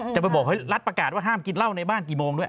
จะไปบอกรัฐประกาศว่าห้ามกินเหล้าในบ้านกี่โมงด้วย